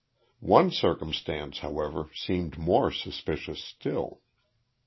One circumstance, however, seemed more suspicious still.